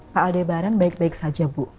pak aldebaran baik baik saja bu